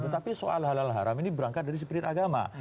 tetapi soal halal haram ini berangkat dari spirit agama